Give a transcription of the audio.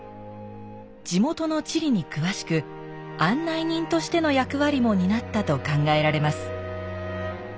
地元の地理に詳しく案内人としての役割も担ったと考えられます